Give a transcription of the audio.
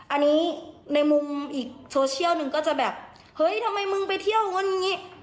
อันนี้ในมุมอีกโซเชียลหนึ่งก็จะแบบเฮ้ยทำไมมึงไปเที่ยวนู้นอย่างนี้